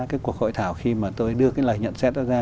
cái cuộc hội thảo khi mà tôi đưa cái lời nhận xét đó ra